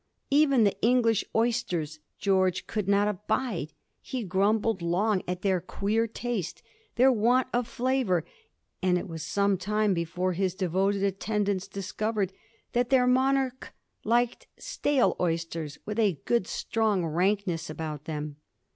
Even the English oysters Greorge could not abide ; he grumbled long at their queer taste, their want of flavour, and it was some time before his devoted attendants discovered that their monarch liked stale oysters with a good strong rankness about them.